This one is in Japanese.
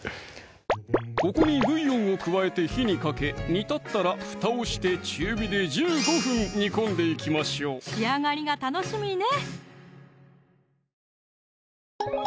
ここにブイヨンを加えて火にかけ煮立ったら蓋をして中火で１５分煮込んでいきましょう仕上がりが楽しみね